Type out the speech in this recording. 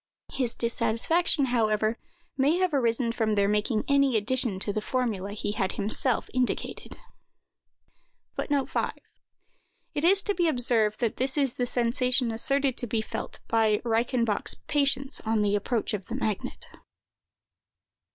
His dissatisfaction, however, may have arisen from their making any addition to the formula he had himself indicated. It is to be observed that this is the sensation asserted to be felt by Reichenbach's patients on the approach of the magnet.